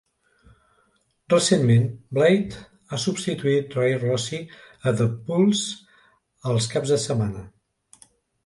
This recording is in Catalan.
Recentment, Blade ha substituït Ray Rossy a "The Pulse" els caps de setmana.